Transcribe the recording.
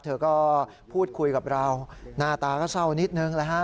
เธอก็พูดคุยกับเราหน้าตาก็เศร้านิดนึงนะฮะ